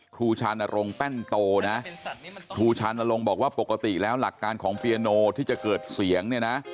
ครูชานรงค์แป้นโตนะครูชานรงค์บอกว่าปกติแล้วหลักการของเปียโนที่จะเกิดเสียงเนี่ยนะ